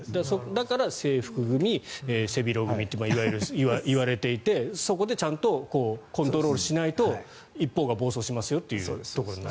だから制服組、背広組といわゆる、いわれていてそこでちゃんとコントロールしないと一方が暴走しますよというところになると。